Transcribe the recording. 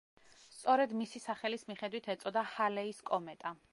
სწორედ მისი სახელის მიხედვით ეწოდა ჰალეის კომეტა.